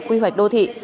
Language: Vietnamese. quy hoạch đô thị